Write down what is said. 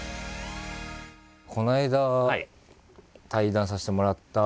この間対談させてもらった